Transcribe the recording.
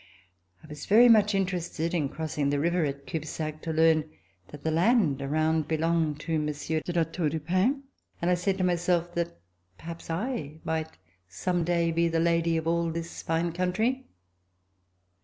I was very much Interested in crossing the river at Cubzac to learn that the land around belonged RECOLLECTIONS OF THE REVOLUTION to Monsieur de La Tour du Pin, and I said to myself that perhaps I might some day be the lady of all this fine country.